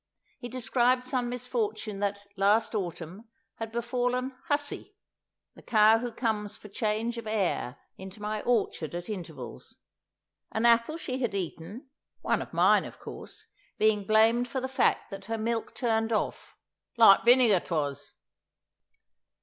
He described some misfortune that, last autumn, had befallen "Hussy," the cow who comes for change of air into my orchard at intervals—an apple she had eaten (one of mine, of course) being blamed for the fact that her milk turned off, "like vinegar 'twas."